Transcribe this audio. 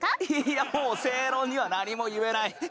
いやもう正論には何も言えない。